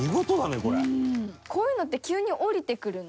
こういうのって急に降りてくるの？